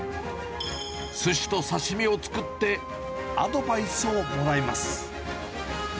すしと刺身を作って、アドバイスをもらいます。